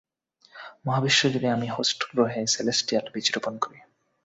মহাবিশ্ব জুড়ে আমি হোস্ট গ্রহে সেলেস্টিয়াল বীজ রোপণ করি।